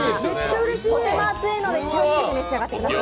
とても熱いので気をつけて召し上がってください。